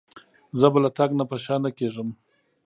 زه به له تګ نه په شا نه کېږم.